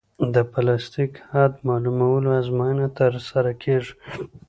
د پلاستیک حد معلومولو ازموینه ترسره کیږي